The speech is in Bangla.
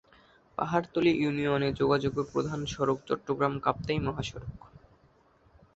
পাহাড়তলী ইউনিয়নে যোগাযোগের প্রধান সড়ক চট্টগ্রাম-কাপ্তাই মহাসড়ক।